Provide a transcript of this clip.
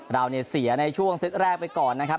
เราเนี่ยเสียในช่วงเซตแรกไปก่อนนะครับ